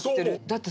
だって